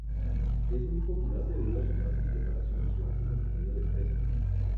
Es muy popular debido a su fácil preparación y su alto contenido de especias.